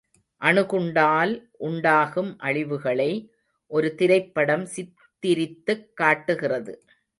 அணுகுண்டால் உண்டாகும் அழிவுகளை ஒரு திரைப்படம் சித்திரித்துக் காட்டுகிறது.